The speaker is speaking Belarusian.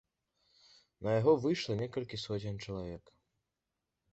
На яго выйшла некалькі соцень чалавек.